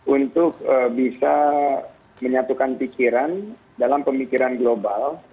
untuk bisa menyatukan pikiran dalam pemikiran global